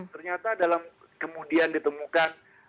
ternyata dalam kemudian ditemukan